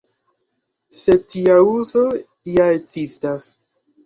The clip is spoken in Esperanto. Sed tia uzo ja ekzistas.